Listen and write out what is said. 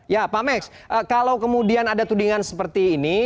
ya pak max kalau kemudian ada tudingan seperti ini